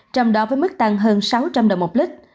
trong đó với mức tăng hơn sáu trăm linh đồng một lít